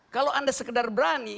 kalau anda sekedar berani